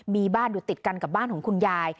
มีบ้านอยู่ติดกันกับบ้านของคุณยาย